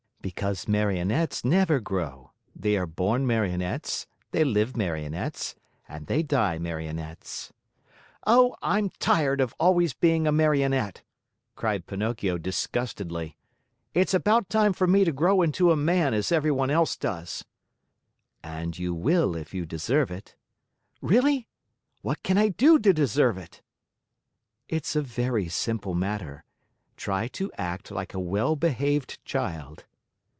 "Because Marionettes never grow. They are born Marionettes, they live Marionettes, and they die Marionettes." "Oh, I'm tired of always being a Marionette!" cried Pinocchio disgustedly. "It's about time for me to grow into a man as everyone else does." "And you will if you deserve it " "Really? What can I do to deserve it?" "It's a very simple matter. Try to act like a well behaved child."